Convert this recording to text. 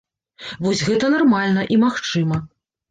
Вось гэта нармальна і магчыма.